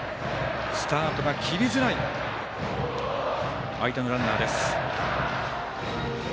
スタートが切りづらい相手のランナーです。